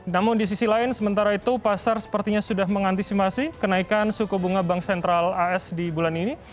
namun di sisi lain sementara itu pasar sepertinya sudah mengantisipasi kenaikan suku bunga bank sentral as di bulan ini